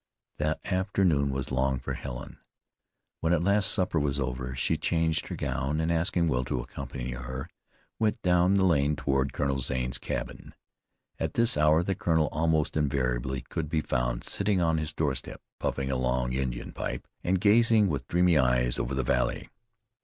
The afternoon was long for Helen. When at last supper was over she changed her gown, and, asking Will to accompany her, went down the lane toward Colonel Zane's cabin. At this hour the colonel almost invariably could be found sitting on his doorstep puffing a long Indian pipe, and gazing with dreamy eyes over the valley.